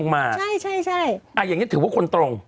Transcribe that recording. อย่างนี้ถือว่าคนตรง